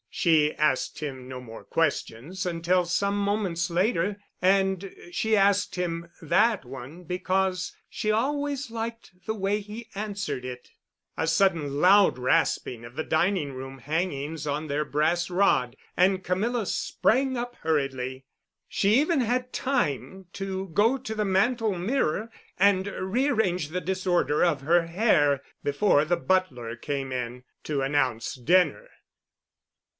She asked him no more questions until some moments later, and she asked him that one because she always liked the way he answered it. A sudden loud rasping of the dining room hangings on their brass rod, and Camilla sprang up hurriedly. She even had time to go to the mantel mirror and rearrange the disorder of her hair before the butler came in to announce dinner.